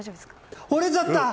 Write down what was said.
折れちゃった！